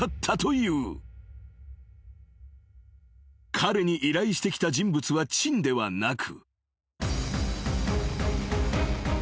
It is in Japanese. ［彼に依頼してきた人物はチンではなく］